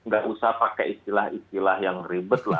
gak usah pakai istilah istilah yang ribet lah